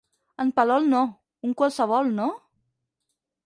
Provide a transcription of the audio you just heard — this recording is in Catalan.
En Palol no; un qualsevol, no?